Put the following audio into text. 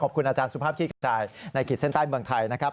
ขอบคุณอาจารย์สุภาพขี้กระจายในขีดเส้นใต้เมืองไทยนะครับ